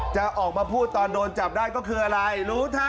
จะออกมาพูดตอนโดนจับได้ก็คืออะไรรู้ถ้า